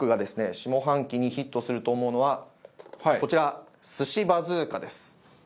下半期にヒットすると思うのはこちら寿司バズーカです。